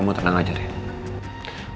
kamu tenang aja rin